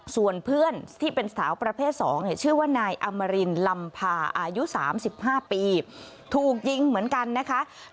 ส่วนเพื่อนที่เป็นสาวประเภท๒ชื่อว่านายอมรินลำพาอายุ๓๕ปีถูกยิงเหมือนกันนะคะ